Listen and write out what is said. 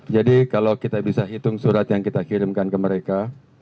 kalau kita bisa hitung surat yang kita kirimkan ke mereka